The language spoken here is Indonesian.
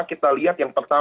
kita lihat yang pertama